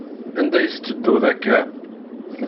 Anda i tettedduḍ akka?